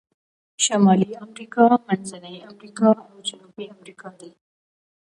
شمالي امریکا، منځنۍ امریکا او جنوبي امریکا دي.